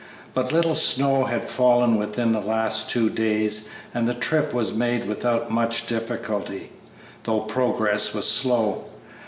But little snow had fallen within the last two days, and the trip was made without much difficulty, though progress was slow.